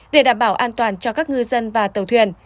để đảm bảo an toàn cho các ngư dân và tàu thuyền